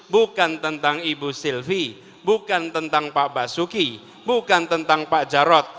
bukan tentang ibu sylvi bukan tentang pak basuki bukan tentang pak jarod